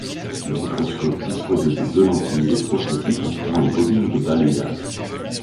Le microscope disposait de deux lentilles électrostatiques entourant les bobines de balayage.